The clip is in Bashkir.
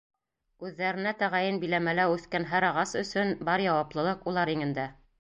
Үҙҙәренә тәғәйен биләмәлә үҫкән һәр ағас өсөн бар яуаплылыҡ улар иңендә.